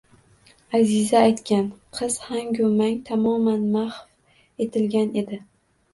— Аziza aytgan! — Qiz hangu mang, tamoman mahv etilgan edi.